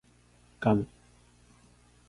ガム